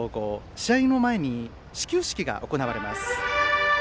試合の前に始球式が行われます。